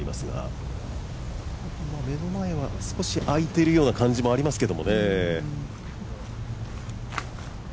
目の前は少しあいているような感じもありますけれどもね。